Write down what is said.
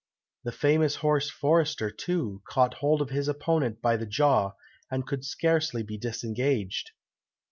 The famous horse Forester, too, caught hold of his opponent by the jaw, and could scarcely be disengaged."